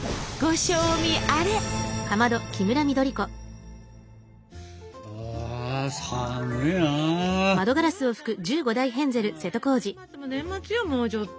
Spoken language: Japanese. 年末も年末よもうちょっと。